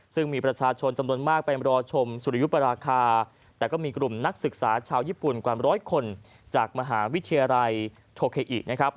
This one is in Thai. ซึ่งมีประชาชนจำนวนมากไปรอชมสุริยุปราคาแต่ก็มีกลุ่มนักศึกษาชาวญี่ปุ่นกว่าร้อยคนจากมหาวิทยาลัยโทเคาอินะครับ